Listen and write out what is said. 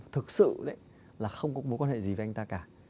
thực sự là không có mối quan hệ gì với anh ta cả